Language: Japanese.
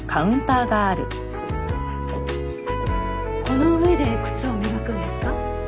この上で靴を磨くんですか？